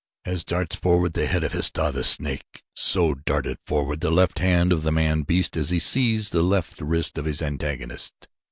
As darts forward the head of Histah, the snake, so darted forward the left hand of the man beast as he seized the left wrist of his antagonist.